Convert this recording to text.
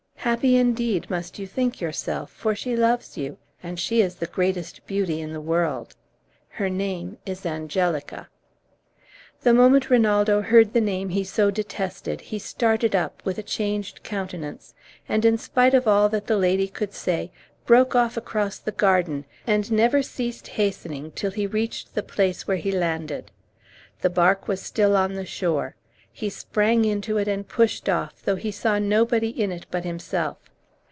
Happy indeed must you think yourself, for she loves you, and she is the greatest beauty in the world! Her name is Angelica." The moment Rinaldo heard the name he so detested he started up, with a changed countenance, and, in spite of all that the lady could say, broke off across the garden, and never ceased hastening till he reached the place where he landed. The bark was still on the shore. He sprang into it, and pushed off, though he saw nobody in it but himself.